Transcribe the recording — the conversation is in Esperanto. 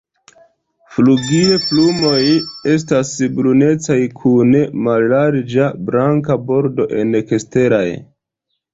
Flugilplumoj estas brunecaj kun mallarĝa blanka bordo en eksteraj.